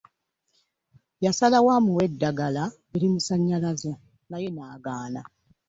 Yasalawo amuwe eddagala erimusanyalaza naye nagaana .